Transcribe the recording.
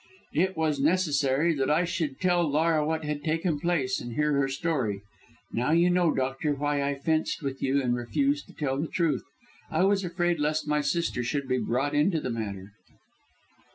It was necessary that I should tell Laura what had taken place, and hear her story. Now you know, doctor, why I fenced with you and refused to tell the truth. I was afraid lest my sister should be brought into the matter."